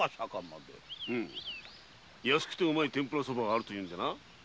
安くてうまい天ぷらソバがあるというのでな。